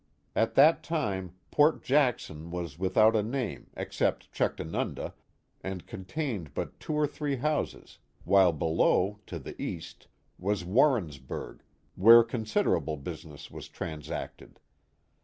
At that time Port Jackson was without a name, except Chuctanunda, and contained but two or three houses, while below, to the east, was Warrensburg, where con siderable business was transacted.